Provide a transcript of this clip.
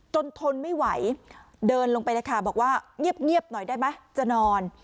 ทนไม่ไหวเดินลงไปเลยค่ะบอกว่าเงียบหน่อยได้ไหมจะนอน